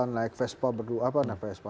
naik vespa berdua